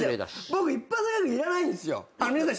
僕一発ギャグいらないんですよ。